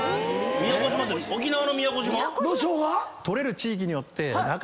宮古島って沖縄の宮古島？